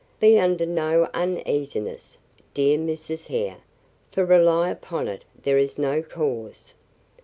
Be under no uneasiness, dear Mrs. Hare, for rely upon it there is no cause."